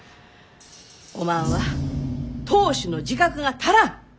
おまんは当主の自覚が足らん！